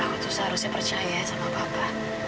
aku seharusnya percaya sama papa